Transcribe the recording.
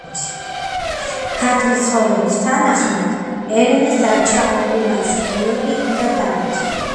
ქართლის ცხოვრების თანახმად, ელენეს დარჩა ორი ვაჟი, გიორგი და დავითი.